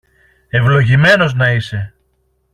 Ευλογημένος να είσαι!